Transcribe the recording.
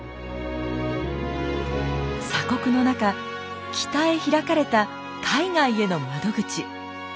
鎖国の中北へ開かれた海外への窓口。